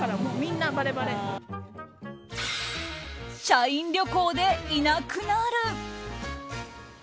社員旅行でいなくなる。